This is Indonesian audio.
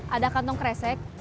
ada kantong kresek